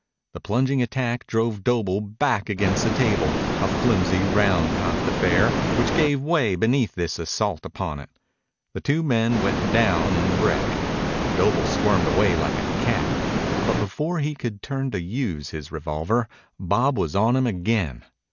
The plunging attack drove Doble back against the table, a flimsy, round topped affair which gave way beneath this assault upon it. The two men went down in the wreck. Doble squirmed away like a cat, but before he could turn to use his revolver Bob was on him again.